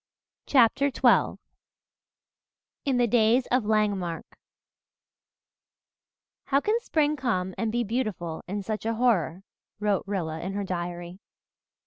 CHAPTER XII IN THE DAYS OF LANGEMARCK "How can spring come and be beautiful in such a horror," wrote Rilla in her diary.